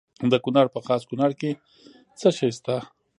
د کونړ په خاص کونړ کې څه شی شته؟